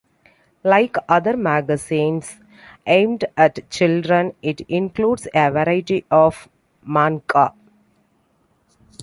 Like other magazines aimed at children, it includes a variety of manga.